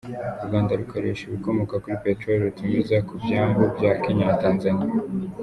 U Rwanda rukoresha ibikomoka kuri peteroli rutumiza ku byambu bya Kenya na Tanzania.